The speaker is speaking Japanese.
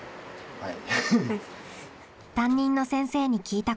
はい。